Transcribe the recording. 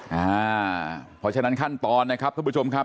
เพราะฉะนั้นขั้นตอนนะครับท่านผู้ชมครับ